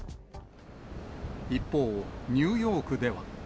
一方、ニューヨークでは。